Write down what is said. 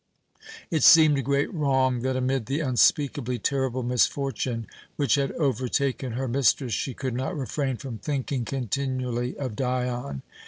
It seemed a great wrong that, amid the unspeakably terrible misfortune which had overtaken her mistress, she could not refrain from thinking continually of Dion.